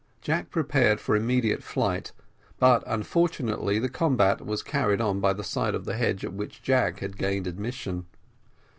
Jack prepared for immediate flight, but unfortunately the combat was carried on by the side of the hedge at which Jack had gained admission.